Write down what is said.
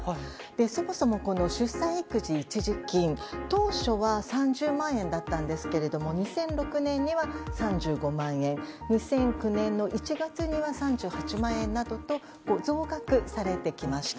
そもそも出産育児一時金当初は３０万円だったんですが２００６年に３５万円２００９年の１月には３８万円と増額されてきました。